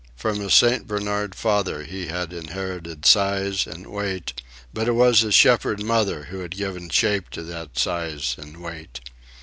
From his St. Bernard father he had inherited size and weight, but it was his shepherd mother who had given shape to that size and weight.